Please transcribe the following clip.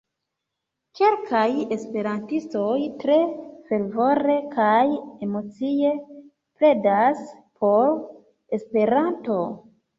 Kelkaj esperantistoj tre fervore kaj emocie pledas por Esperanto.